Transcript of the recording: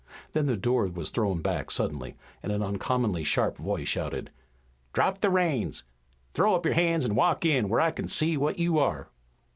Then the door was thrown back suddenly and an uncommonly sharp voice shouted: "Drop the reins! Throw up your hands an' walk in, where I kin see what you are!"